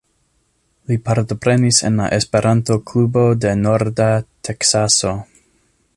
Li partoprenis en la Esperanto Klubo de Norda Teksaso.